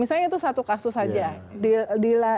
misalnya itu satu kasus saja